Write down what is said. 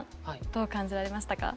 どう感じられましたか？